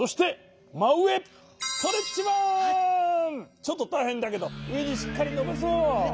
ちょっとたいへんだけどうえにしっかりのばそう！